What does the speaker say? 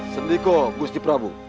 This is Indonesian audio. sendiko gusti prabu